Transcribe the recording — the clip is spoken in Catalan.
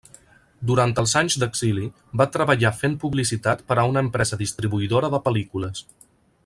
Durant els anys d'exili va treballar fent publicitat per a una empresa distribuïdora de pel·lícules.